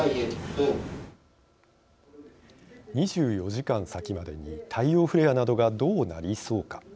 ２４時間先までに太陽フレアなどがどうなりそうか。